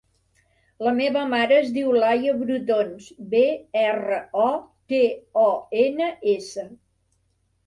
La meva mare es diu Laia Brotons: be, erra, o, te, o, ena, essa.